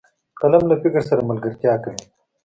قلم له فکر سره ملګرتیا کوي